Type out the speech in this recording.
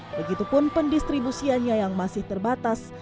begitupun pendistribusiannya yang masih terbatas